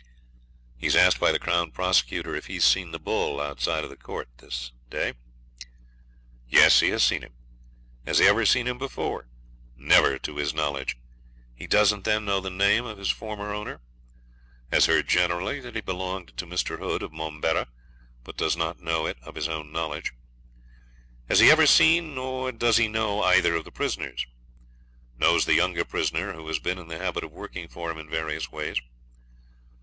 He's asked by the Crown Prosecutor if he's seen the bull outside of the court this day. 'Yes; he has seen him.' 'Has he ever seen him before?' 'Never, to his knowledge.' 'He doesn't, then, know the name of his former owner?' 'Has heard generally that he belonged to Mr. Hood, of Momberah; but does not know it of his own knowledge.' 'Has he ever seen, or does he know either of the prisoners?' 'Knows the younger prisoner, who has been in the habit of working for him in various ways.'